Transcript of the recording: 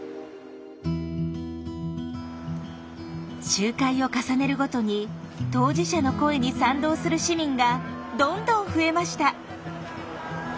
集会を重ねるごとに当事者の声に賛同する市民がどんどん増えました。